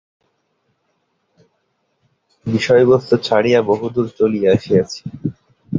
বিষয়বস্তু ছাড়িয়া বহুদূরে চলিয়া আসিয়াছি।